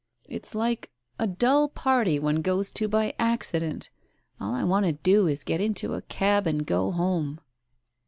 "It's like a dull party one goes to by accident. All I want to do is to get into a cab and go home."